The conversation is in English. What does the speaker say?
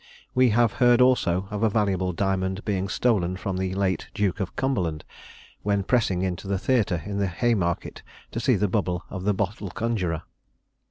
We have heard also of a valuable diamond being stolen from the late Duke of Cumberland, when pressing into the theatre in the Haymarket to see the bubble of the bottle conjurer.